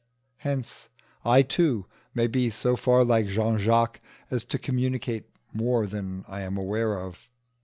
Hence I too may be so far like Jean Jacques as to communicate more than I am aware of.